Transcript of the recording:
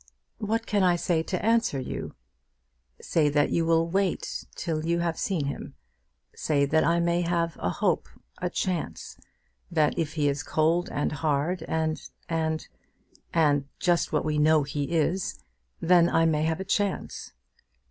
"What can I say to answer you?" "Say that you will wait till you have seen him. Say that I may have a hope, a chance; that if he is cold, and hard, and, and, and, just what we know he is, then I may have a chance."